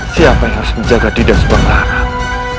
siapa yang harus menjaga dinda subanglarang